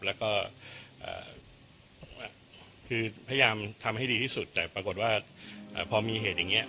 แล้วก็คือพยายามทำให้ดีที่สุดแต่ปรากฏว่าพอมีเหตุอย่างนี้